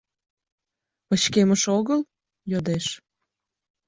— Пычкемыш огыл? — йодеш.